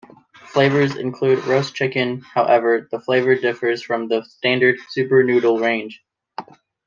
Flavours include Roast Chicken, however, the flavour differs from the standard Super Noodle range.